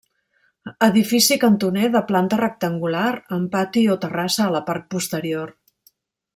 Edifici cantoner de planta rectangular, amb pati o terrassa a la part posterior.